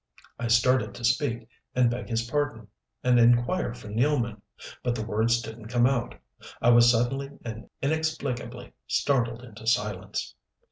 I started to speak, and beg his pardon, and inquire for Nealman. But the words didn't come out. I was suddenly and inexplicably startled into silence.